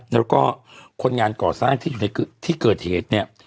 แล้วก็คนงานก่อสร้างที่เกิดเหตุเนี่ย